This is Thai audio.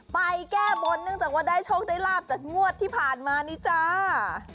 ไปแก้บนเนื่องจากว่าได้โชคได้ลาบจากงวดที่ผ่านมานี้จ้า